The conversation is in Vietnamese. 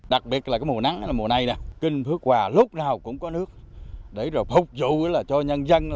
đặc biệt là mùa nắng mùa này kinh phước hòa lúc nào cũng có nước để phục vụ cho nhân dân